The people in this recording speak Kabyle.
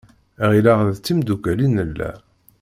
Ɣileɣ d timddukal i nella.